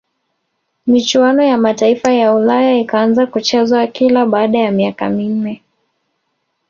michuano ya mataifa ya ulaya ikaanza kuchezwa kila baada ya miaka minne